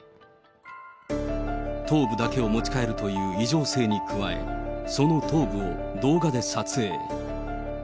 頭部だけを持ち帰るという異常性に加え、その頭部を動画で撮影。